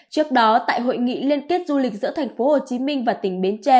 trước đó tại hội nghị liên kết du lịch giữa tp hcm và tỉnh bến tre